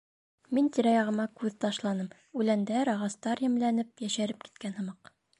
Мин тирә-яғыма күҙ ташланым: үләндәр, ағастар йәмләнеп, йәшәреп киткән һымаҡ.